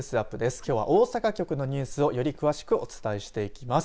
きょうは大阪局のニュースをより詳しくお伝えしていきます。